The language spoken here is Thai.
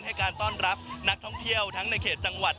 ให้การต้อนรับนักท่องเที่ยวทั้งในเขตจังหวัด